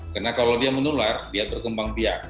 karena kalau dia menular dia berkembang biak